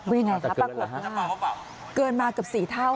เป็นอย่างไรครับปรากฏว่าเกินมากับ๔เท่า